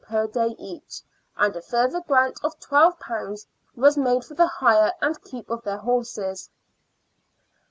per day each, and a further grant of £12 was made for the hire and keep of their horses.